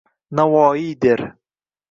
Navoiy der: